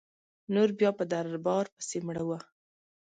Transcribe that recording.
نور بیا په دربار پسي مړه وه.